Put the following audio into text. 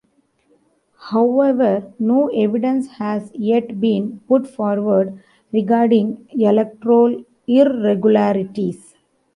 However no evidence has yet been put forward regarding electoral irregularities.